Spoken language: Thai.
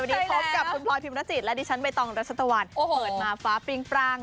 วันนี้พบกับคุณพลอยพิมรจิตและดิฉันใบตองรัชตะวันเปิดมาฟ้าปริงปร่าง